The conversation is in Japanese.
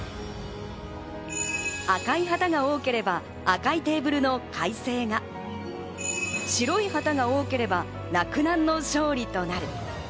赤い旗が多ければ赤いテーブルの開成が、白い旗が多ければ洛南の勝利となる。